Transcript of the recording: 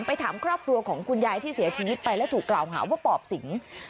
ถามครอบครัวของคุณยายที่เสียชีวิตไปและถูกกล่าวหาว่าปอบสิง